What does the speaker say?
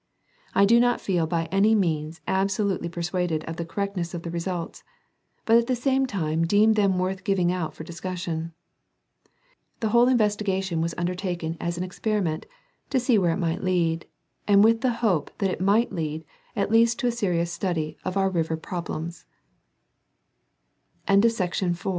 I do not feel by any means abso lutely persuaded of the correctness of the results, but at the same time deem them worth giving out for discussion. The whole investigation was undertaken as an experiment to see where it might lead, and with the hope that it might lead at least to a